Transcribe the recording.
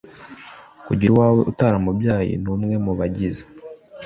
kugira uwawe utaramubyaye n umwe mu bagize